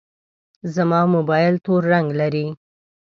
زما موبایل تور رنګ لري.